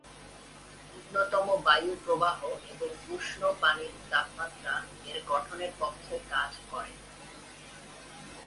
ন্যূনতম বায়ু প্রবাহ এবং উষ্ণ পানির তাপমাত্রা এর গঠনের পক্ষে কাজ করে।